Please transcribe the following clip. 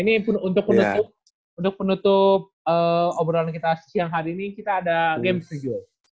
ini untuk menutup obrolan kita siang hari ini kita ada game studio